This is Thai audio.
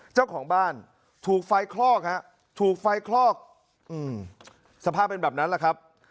เจ้าของบ้านถูกไฟคลอกฮะถูกไฟคลอกสภาพเป็นแบบนั้นแหละครับ